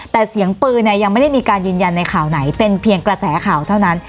แต่เสียงปืนเนี่ยยังไม่ได้มีการยืนยันในข่าวไหนเป็นเพียงกระแสข่าวเท่านั้น